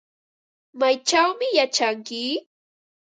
¿Maychawmi yachanki?